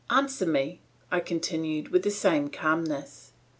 "Answer me," I continued with the same calmness.